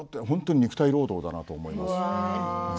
本当に肉体労働だと思います。